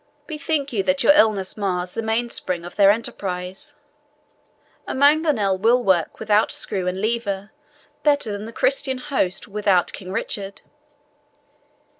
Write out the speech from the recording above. Bethink you that your illness mars the mainspring of their enterprise; a mangonel will work without screw and lever better than the Christian host without King Richard."